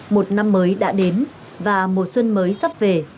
một năm mới đã đến và mùa xuân mới sắp về